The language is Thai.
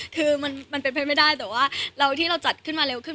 คือมันเป็นไปไม่ได้แต่ว่าที่เราจัดขึ้นมาเร็วขึ้น